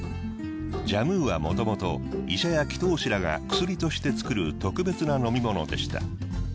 ジャムウはもともと医者や祈とう師らが薬として作る特別な飲み物でした。